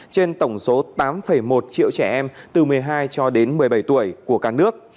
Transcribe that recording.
trên tổng số tám một triệu trẻ em từ một mươi hai cho đến một mươi bảy tuổi của cả nước